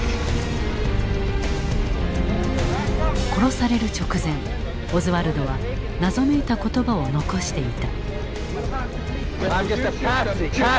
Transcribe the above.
殺される直前オズワルドは謎めいた言葉を残していた。